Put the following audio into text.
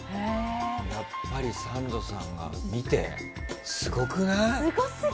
やっぱりサンドさんは見て、すごくない？